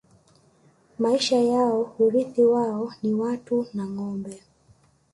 Maisha yao Urithi wao ni watu na Ngombe